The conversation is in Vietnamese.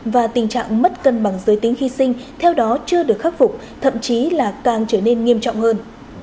và tình trạng mất cân bằng giới tính khi sinh theo đó chưa được khắc phục thậm chí là càng trở nên nghiêm trọng hơn